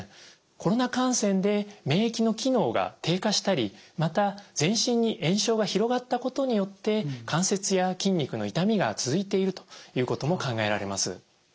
コロナ感染で免疫の機能が低下したりまた全身に炎症が広がったことによって関節や筋肉の痛みが続いているということも考えられます。